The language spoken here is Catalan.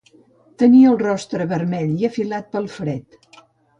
Tenia el rostre vermell i afilat pel fred.